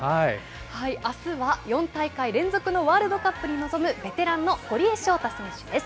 あすは４大会連続のワールドカップに臨むベテランの堀江翔太選手です。